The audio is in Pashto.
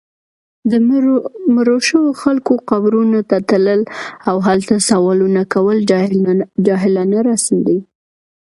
د مړو شوو خلکو قبرونو ته تلل، او هلته سوالونه کول جاهلانه رسم دی